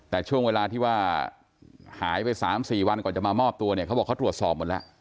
แต่ช่วงเวลาที่ว่าหายไป๓๔วันก่อนจะมามอบตัวเนี่ยเขาบอกเขาตรวจสอบหมดแล้ว